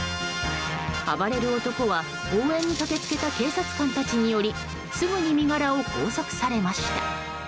暴れる男は応援に駆け付けた警察官たちによりすぐに身柄を拘束されました。